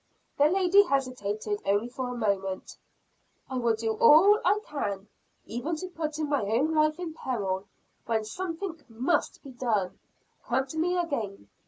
The lady hesitated only for a moment. "I will do all I can even to putting my own life in peril. When something must be done, come to me again.